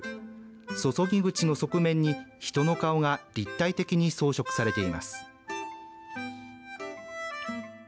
注ぎ口の側面に人の顔が立体的に装飾されています。